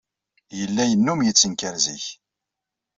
Yella yennum yettenkar zik.